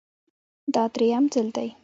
دا درېیم ځل دی